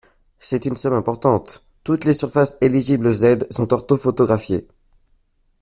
C’est une somme importante ! Toutes les surfaces éligibles aux aides sont orthophotographiées.